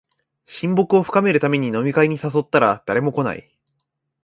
親睦を深めるために飲み会に誘ったら誰も来ない